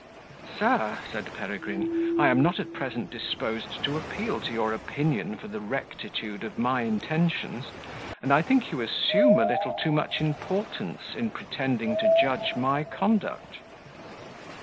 "Sir," said Peregrine, "I am not at present disposed to appeal to your opinion for the rectitude of my intentions: and I think you assume a little too much importance, in pretending to judge my conduct."